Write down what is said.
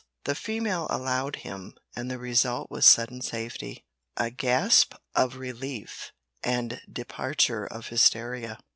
The female allowed him, and the result was sudden safety, a gasp of relief, and departure of hysteria.